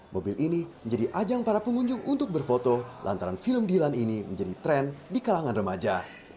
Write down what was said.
mobil ini menjadi ajang para pengunjung untuk berfoto lantaran film dilan ini menjadi tren di kalangan remaja